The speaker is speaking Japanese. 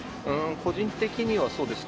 個人的にはそうですね。